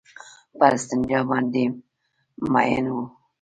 پر استنجا باندې مئين وو.